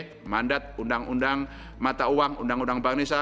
pertama sebagai mandat undang undang mata uang undang undang bank indonesia